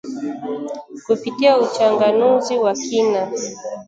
Kupitia uchanganuzi wa kina